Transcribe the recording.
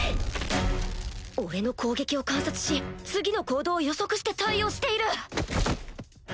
俺の攻撃を観察し次の行動を予測して対応している！